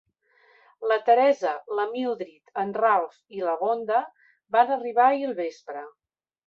La Teresa, la Mildrid, en Ralph i la Vonda van arribar ahir al vespre.